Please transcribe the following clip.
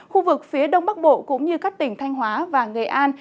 khu vực phía đông bắc bộ cũng như các tỉnh thanh hóa và nghệ an